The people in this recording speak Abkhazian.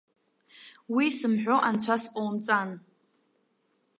Уи сымҳәо анцәа сҟоумҵан.